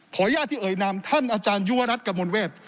ขอแยอะที่เอยนามท่านอาจารย์ยุวรัตตกับมนเวศ